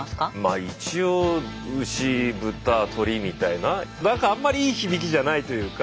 まあ一応ウシブタトリみたいな何かあんまりいい響きじゃないというか。